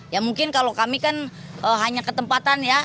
ya mungkin kalau kami kan hanya ketempatan ya